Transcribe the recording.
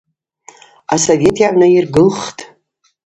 Асовет йгӏагӏвнайыргылхтӏ.